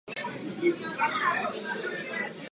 Po skončení aktivní hráčské kariéry se stal trenérem brankářů.